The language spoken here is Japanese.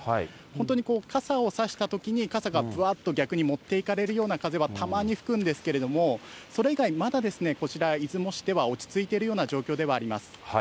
本当に傘を差したときに傘がぶわっと逆に持っていかれるような風はたまに吹くんですけれども、それ以外、まだこちら、出雲市では落ち着いているような状況ではあります。